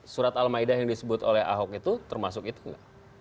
surat al ma'idah yang disebut oleh ahok itu termasuk itu tidak